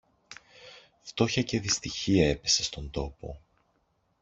Φτώχεια και δυστυχία έπεσε στον τόπο